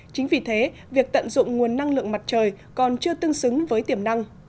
chính vì thế việc tận dụng nguồn năng lượng mặt trời còn chưa tương xứng với tiềm năng